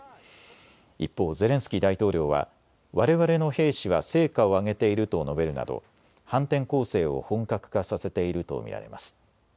一方、ゼレンスキー大統領はわれわれの兵士は成果を上げていると述べるなど、反転攻勢を本格化させていると見られます。